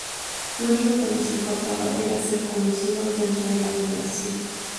Lo único que nos importaba era ser conocidos dentro de la población".